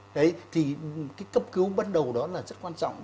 đấy thì cái cấp cứu ban đầu đó là rất quan trọng